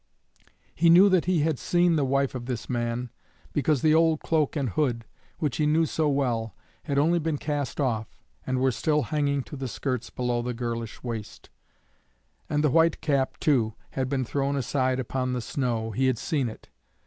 He knew that he had seen the wife of this man, because the old cloak and hood, which he knew so well, had only been cast off, and were still hanging to the skirts below the girlish waist, and the white cap, too, had been thrown aside upon the snow he had seen it.